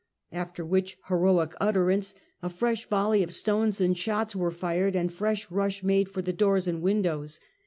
After which heroic utterance a fresh volley of stones and shots were fired, and fresh rush made for doors and windows.